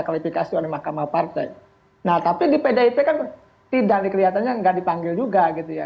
kualifikasi oleh mahkamah partai nah tapi di pdip kan tidak nih kelihatannya enggak dipanggil juga gitu ya